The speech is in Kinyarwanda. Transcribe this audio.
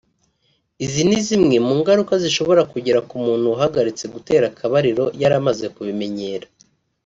Izi ni zimwe mu ngaruka zishobora kugera ku muntu wahagaritse gutera akabariro yari amaze kubimenyera